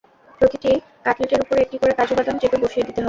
প্রতিটি কাটলেটের উপরে একটি করে কাজু বাদাম চেপে বসিয়ে দিতে হবে।